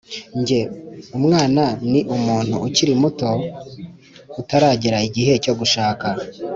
nge, umwana ni umuntu ukiri muto utaragera igihe cyo gushaka."